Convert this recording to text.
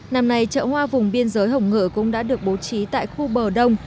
năm nay chợ hoa vùng biên giới hồng ngự cũng đã được bố trí tại khu bờ đông